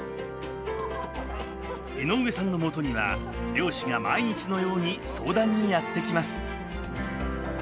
井上さんのもとには漁師が毎日のように相談にやって来ます。